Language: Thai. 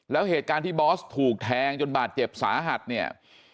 แล้วเหตุการณ์ที่บอสถูกแทงจนบาดเจ็บสาหัสเนี่ย